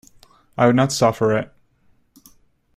I would not suffer it.